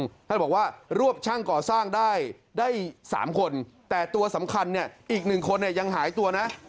ท่านบอกว่ารวบช่างก่อสร้างได้ได้๓คนแต่ตัวสำคัญเนี่ยอีกหนึ่งคนเนี่ยยังหายตัวนะ